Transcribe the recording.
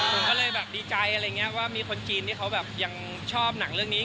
ผมก็เลยดีใจว่ามีคนจีนที่เขายังชอบหนังเรื่องนี้